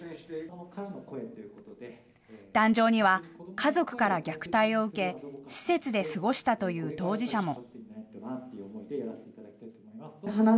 壇上には家族から虐待を受け、施設で過ごしたという当事者も。